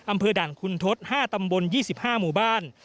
อำเภอด่านคุณทศ๕ตำบล๒๕หมู่บ้าน